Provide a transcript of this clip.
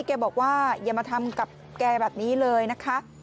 แกบอกว่าอย่ามาทำกับแกแบบนี้เลยนะคะ